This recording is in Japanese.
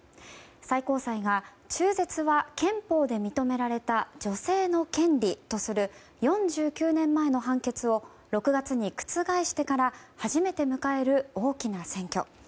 最高裁が中絶は憲法で認められた女性の権利とする４９年前の判決を６月に覆してから初めて迎える大きな選挙。